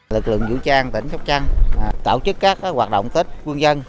lực lượng vũ trang tỉnh sóc trăng tổ chức các hoạt động tết quân dân